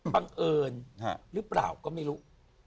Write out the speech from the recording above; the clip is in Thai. บังเอิญหรือเปล่าก็ไม่รู้